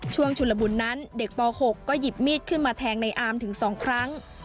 ชุลบุญนั้นเด็กป๖ก็หยิบมีดขึ้นมาแทงในอาร์มถึง๒ครั้ง